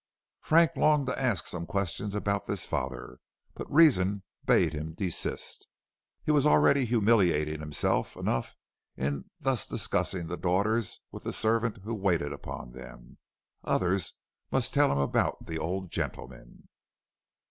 Frank longed to ask some questions about this father, but reason bade him desist. He was already humiliating himself enough in thus discussing the daughters with the servant who waited upon them; others must tell him about the old gentleman.